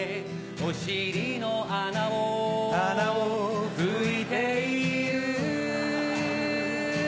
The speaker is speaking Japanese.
お尻の穴を穴を拭いている